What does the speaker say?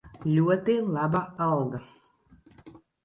Ļoti laba alga.